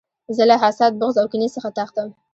زه له حسد، بغض او کینې څخه تښتم.